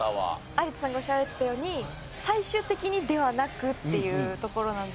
有田さんがおっしゃられてたように最終的にではなくっていうところなんですよね。